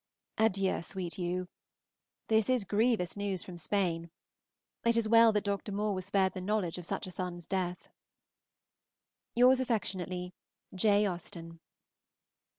Adieu, sweet You. This is grievous news from Spain. It is well that Dr. Moore was spared the knowledge of such a son's death. Yours affectionately, J. AUSTEN.